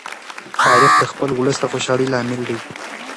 تاریخ د خپل ولس د خوشالۍ لامل دی.